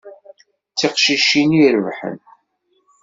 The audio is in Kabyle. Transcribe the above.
D tiqcicin i irebḥen.